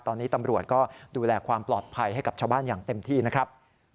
ตอนนี้ตำรวจก็ดูแลความปลอดภัยให้กับชาวบ้านอย่างเต็มที่นะครับ